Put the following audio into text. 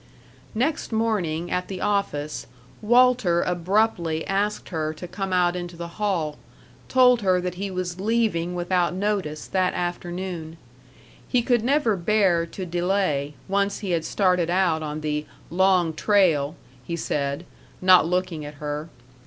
§ 5 Next morning at the office, Walter abruptly asked her to come out into the hall, told her that he was leaving without notice that afternoon. He could never bear to delay, once he had started out on the "Long Trail," he said, not looking at her.